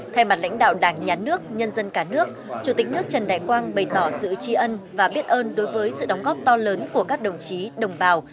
thay mặt lãnh đạo đảng nhà nước nhân dân cả nước chủ tịch nước trần đại quang bày tỏ sự tri ân và biết ơn đối với sự đóng góp to lớn của các đồng chí đồng bào